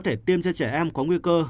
thể tiêm cho trẻ em có nguy cơ